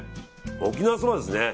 沖縄そばですね。